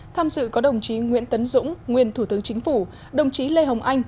tham dự có đồng chí nguyễn tấn dũng nguyên thủ tướng chính phủ đồng chí lê hồng anh